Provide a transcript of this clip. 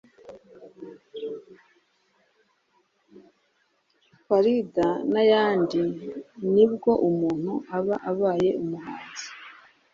Farida n’ayandi nibwo umuntu aba abaye umuhanzi